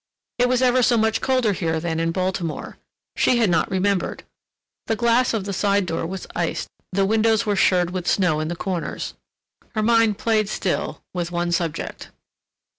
It was ever so much colder here than in Baltimore; she had not remembered; the glass of the side door was iced, the windows were shirred with snow in the corners. Her mind played still with one subject.